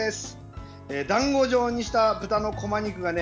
だんご状にした豚のこま肉がね